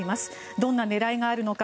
どんな狙いがあるのか